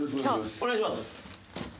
お願いします。